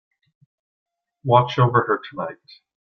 Watch over her tonight.